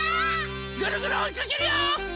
ぐるぐるおいかけるよ！